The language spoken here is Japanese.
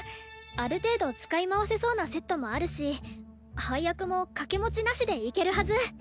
ある程度使い回せそうなセットもあるし配役も掛け持ちなしでいけるはず。